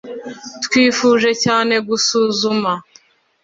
Twifurije cyane gusuzuma